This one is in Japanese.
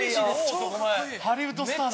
ハリウッドスターだ。